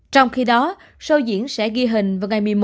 trong khi đó show diễn sẽ ghi hình vào ngày một mươi một